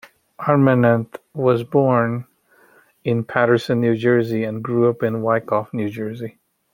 Armenante was born in Paterson, New Jersey, and grew up in Wyckoff, New Jersey.